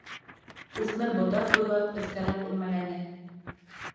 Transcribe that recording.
Үҫмер ботаҡ буйлап өҫкәрәк үрмәләне.